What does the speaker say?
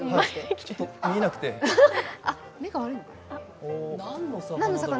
ちょっと見えなくて何の魚？